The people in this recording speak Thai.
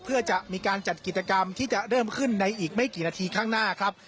เพื่อจะมีการจัดกิจกรรมที่จะเริ่มขึ้นในอีกไม่กี่นาทีข้างหน้าครับ